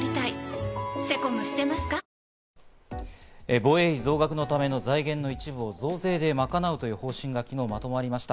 防衛費増額のための財源の一部を、増税で賄うという方針が昨日まとまりました。